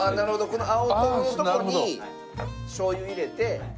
この青唐のとこにしょうゆ入れて。